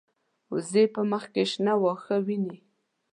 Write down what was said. وزې په مخ کې شنه واښه ویني